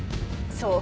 そう。